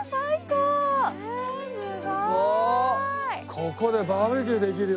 ここでバーベキューできるよ。